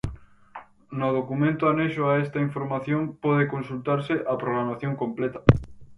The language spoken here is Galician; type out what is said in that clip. No documento anexo a esta información pode consultarse a programación completa.